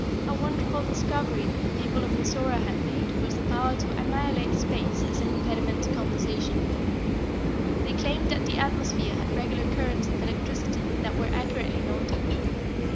A wonderful discovery that the people of Mizora had made was the power to annihilate space as an impediment to conversation. They claimed that the atmosphere had regular currents of electricity that were accurately known to them.